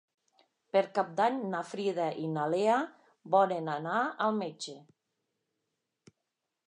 Per Cap d'Any na Frida i na Lea volen anar al metge.